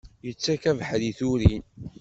Yettak abeḥri i turin!